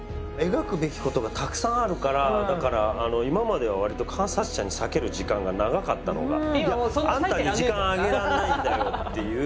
描くべきことがたくさんあるからだから今まではわりと観察者に割ける時間が長かったのが「あんたに時間あげられないんだよ」っていう。